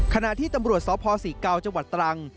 ขณะที่ตำรวจสพศิกาวจตรัง